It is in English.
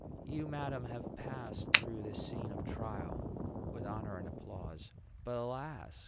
You, madam, have passed through this scene of trial with honor and applause. But, alas!